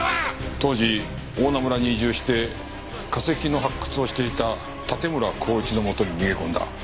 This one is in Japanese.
当時大菜村に移住して化石の発掘をしていた盾村孝一のもとに逃げ込んだ。